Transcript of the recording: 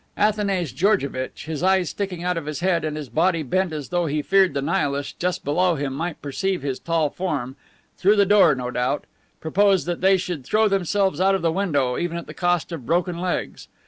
Athanase Georgevitch, his eyes sticking out of his head and his body bent as though he feared the Nihlists just below him might perceive his tall form through the floor, no doubt proposed that they should throw themselves out of the window, even at the cost of broken legs.